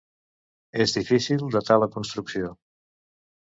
És difícil datar la construcció.